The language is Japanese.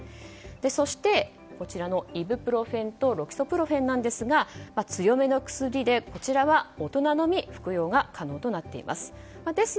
そして、イブプロフェンとロキソプロフェンですが強めの薬で、こちらは大人のみ服用が可能となっています。